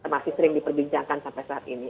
masih sering diperbincangkan sampai saat ini